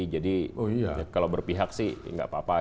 jadi kalau berpihak sih enggak apa apa